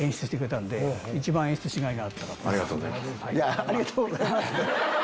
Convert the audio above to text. ありがとうございます。